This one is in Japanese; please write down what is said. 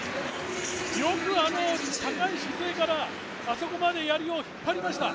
よくあの高い姿勢からあそこまでやりを引っ張りました。